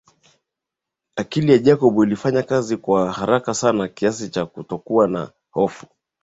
Akili ya Jacob ilifanya kazi kwa haraka sana kiasi cha kutokuwa na hofu